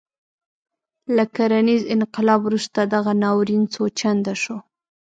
له کرنیز انقلاب وروسته دغه ناورین څو چنده شو.